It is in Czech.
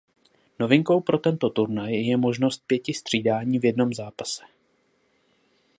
Novinkou pro tento turnaj je možnost pěti střídání v jednom zápase.